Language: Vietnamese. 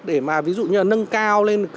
để mà ví dụ như là nâng cao lên